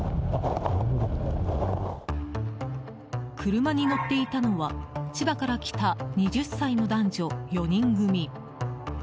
車に乗っていたのは千葉から来た２０歳の男女４人組。